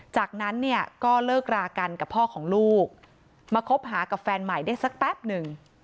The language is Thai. จากนั้นเนี่ยก็เลิกรากันกับพ่อของลูกมาคบหากับแฟนใหม่ได้สักแป๊บหนึ่ง